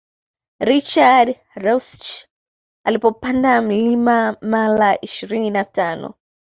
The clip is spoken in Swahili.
Richard reusch alipopanda mlima mara ishirini na tano